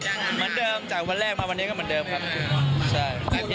เหมือนเดิมจากวันแรกมาวันนี้ก็เหมือนเดิมครับ